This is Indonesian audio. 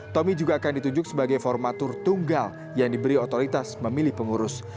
tommy juga akan ditunjuk sebagai formatur tunggal yang diberi otoritas memilih pengurus